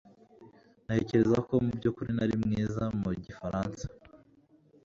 Ntekereza ko mubyukuri ntari mwiza mu gifaransa